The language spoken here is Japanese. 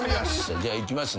じゃあいきますね。